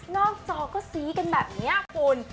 นอกจอก็ซีกันแบบเนี่ย